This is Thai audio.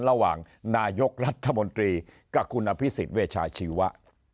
ระหว่างนายกรัฐมนตรีกับคุณอภิษฎเวชาชีวะ